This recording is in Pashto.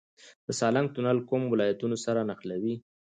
د سالنګ تونل کوم ولایتونه سره نښلوي؟